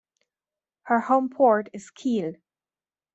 Her home port is Kiel.